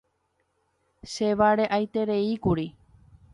Che vare'aitereíkuri.